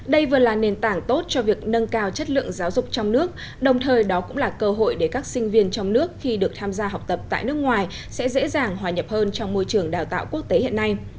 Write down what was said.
đây vừa là nền tảng tốt cho việc nâng cao chất lượng giáo dục trong nước đồng thời đó cũng là cơ hội để các sinh viên trong nước khi được tham gia học tập tại nước ngoài sẽ dễ dàng hòa nhập hơn trong môi trường đào tạo quốc tế hiện nay